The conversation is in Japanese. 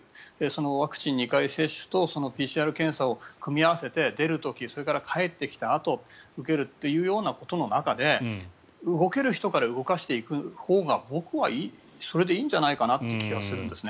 ワクチン２回接種とＰＣＲ検査を組み合わせて出る時、そして帰ってきたあと受けるということの中で動ける人から動かしていくほうが僕はそれでいいんじゃないかなという気がするんですね。